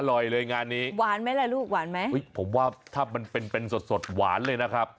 อร่อยเลยงานนี้หวานไหมล่ะลูกหวานไหมอุ้ยผมว่าถ้ามันเป็นเป็นสดสดหวานเลยนะครับ